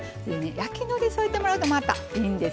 焼きのり添えてもらうとまたいいんですよね。